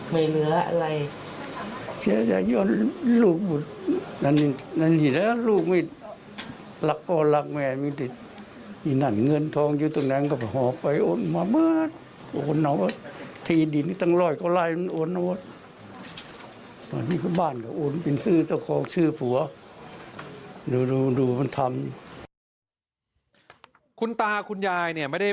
ไม่เคยคิดว่าเขาจะทำได้